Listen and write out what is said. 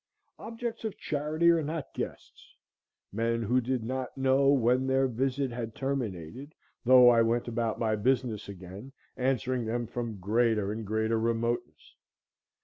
Objects of charity are not guests. Men who did not know when their visit had terminated, though I went about my business again, answering them from greater and greater remoteness.